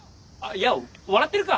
や笑ってるか。